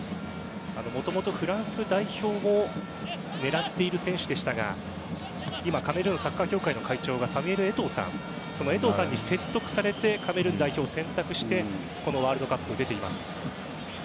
もともとフランス代表を狙っている選手でしたが今はカメルーンサッカー協会の会長がサミュエル・エトーさんでそのエトーさんに説得されてカメルーン代表を選択してこのワールドカップに出ています。